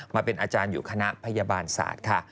มาเป็นอาจารย์อยู่คณะพยาบาลศาสตร์ค่ะ